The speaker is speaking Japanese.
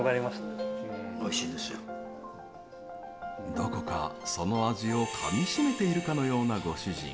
どこか、その味をかみしめているかのようなご主人。